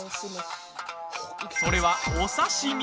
それは、お刺身。